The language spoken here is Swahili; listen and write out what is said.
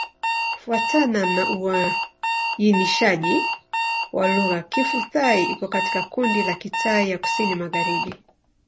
Kufuatana na uainishaji wa lugha, Kiphu-Thai iko katika kundi la Kitai ya Kusini-Magharibi.